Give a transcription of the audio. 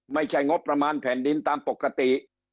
ไม่ใช่งบประมาณแผ่นดินตามปกติ